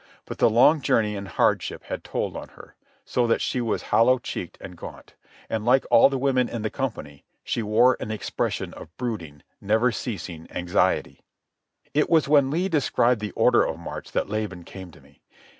But the long journey and hardship had told on her, so that she was hollow cheeked and gaunt, and like all the women in the company she wore an expression of brooding, never ceasing anxiety. It was when Lee described the order of march that Laban came to me.